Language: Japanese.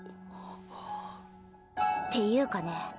っていうかね